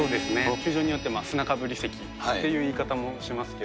球場によって、砂かぶり席という言い方もしますけど。